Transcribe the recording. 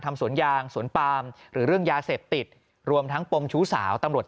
สวนยางสวนปามหรือเรื่องยาเสพติดรวมทั้งปมชู้สาวตำรวจ